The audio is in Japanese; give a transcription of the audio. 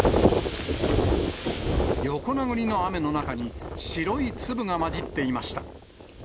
横殴りの雨の中に、白い粒が交じっていました。